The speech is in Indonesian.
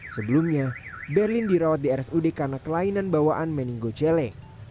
sebelumnya berlin dirawat di rsud karena kelainan bawaan meninggo cele